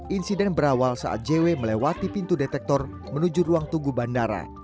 insiden berawal saat jw melewati pintu detektor menuju ruang tunggu bandara